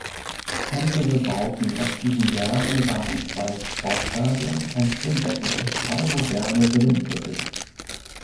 Andere Bauten aus diesen Jahren waren zwei Sportstadien, ein Schwimmbecken und drei moderne Villenviertel.